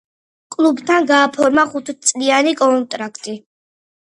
კლუბთან გააფორმა ხუთწლიანი კონტრაქტი.